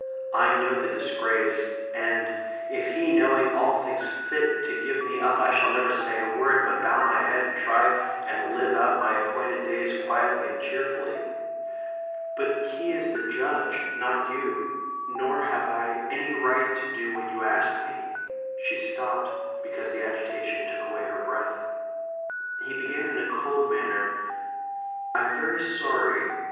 I know the disgrace; and if he, knowing all, thinks fit to give me up, I shall never say a word, but bow my head, and try and live out my appointed days quietly and cheerfully. But he is the judge, not you; nor have I any right to do what you ask me." She stopped, because the agitation took away her breath. He began in a cold manner: "I am very sorry.